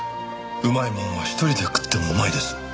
うまいものは一人で食ってもうまいです。